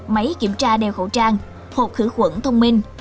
máy kiểm tra đeo khẩu trang hộp khử khuẩn thông minh